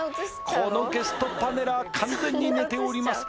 このゲストパネラー完全に寝ております